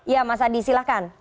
iya mas adi silahkan